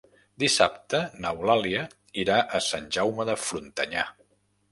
Dissabte n'Eulàlia irà a Sant Jaume de Frontanyà.